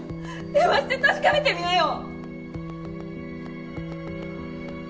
電話して確かめてみなよ！